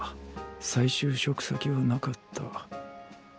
再就職先はなかった。